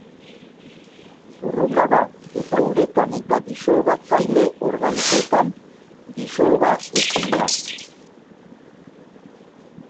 Zurruna da, eta uretan eta disolbatzaile organikoetan disolbaezina.